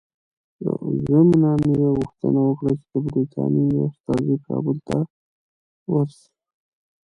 ضمناً یې غوښتنه وکړه چې د برټانیې یو استازی کابل ته ورسي.